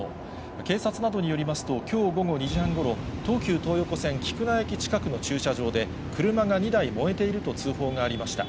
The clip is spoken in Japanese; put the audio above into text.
警察などによりますと、きょう午後２時半ごろ、東急東横線菊名駅近くの駐車場で、車が２台燃えていると通報がありました。